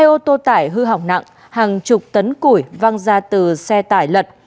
hai ô tô tải hư hỏng nặng hàng chục tấn củi văng ra từ xe tải lật